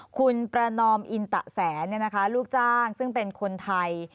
คุณประนอมอินตะแสนลูกจ้างซึ่งเป็นคนไทย